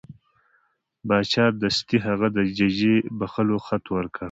باچا دستي هغه د ججې بخښلو خط ورکړ.